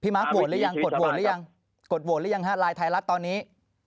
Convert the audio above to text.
พี่มาร์กกดโหลแล้วยังกดโหลแล้วยังลายไทยลัดตอนนี้